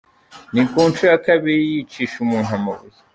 Ni ku nshuro ya kabiri yicisha umuntu amabuye.